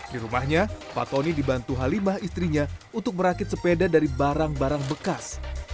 di rumahnya pak tony dibantu halimah istrinya untuk merakit sepeda dari barang barang bekas